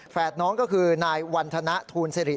แฝดน้องคือหน่ายวรรณทน้าทูนซีบิริ